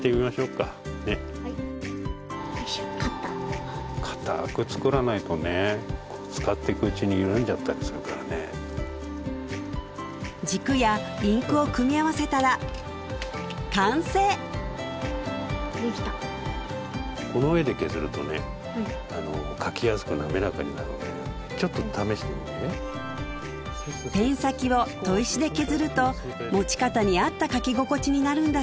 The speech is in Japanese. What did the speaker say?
かたく作らないとね使っていくうちに緩んじゃったりするからね軸やインクを組み合わせたら完成できたこの上で削るとね書きやすく滑らかになるんでちょっと試してみてペン先を砥石で削ると持ち方にあった書き心地になるんだ